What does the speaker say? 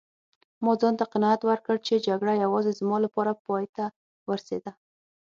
ما ځانته قناعت ورکړ چي جګړه یوازې زما لپاره پایته ورسیده.